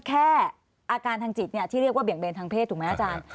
อาการทางจิตที่เรียกว่าเบี่ยงเบนทางเพศถูกไหมอาจารย์